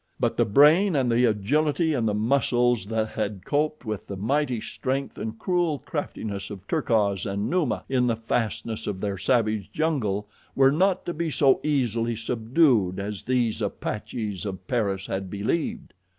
But the brain, and the agility, and the muscles that had coped with the mighty strength and cruel craftiness of Terkoz and Numa in the fastness of their savage jungle were not to be so easily subdued as these apaches of Paris had believed.